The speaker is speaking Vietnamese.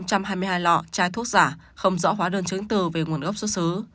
chai thuốc giả không rõ hóa đơn chứng từ về nguồn gốc xuất xứ